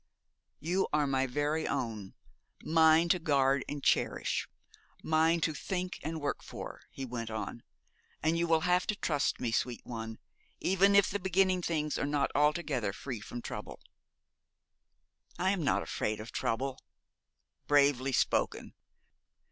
'You are my very own mine to guard and cherish, mine to think and work for,' he went on, 'and you will have to trust me, sweet one, even if the beginning of things is not altogether free from trouble.' 'I am not afraid of trouble.' 'Bravely spoken!